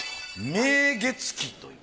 『明月記』という。